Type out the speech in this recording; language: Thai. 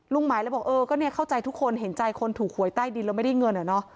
หมายเลยบอกเออก็เนี่ยเข้าใจทุกคนเห็นใจคนถูกหวยใต้ดินแล้วไม่ได้เงินอะเนาะ